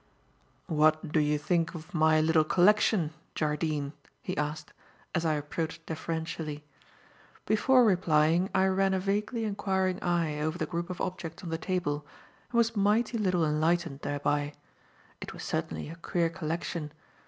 "What do you think of my little collection, Jardine?" he asked, as I approached deferentially. Before replying, I ran a vaguely enquiring eye over the group of objects on the table and was mighty little enlightened thereby. It was certainly a queer collection.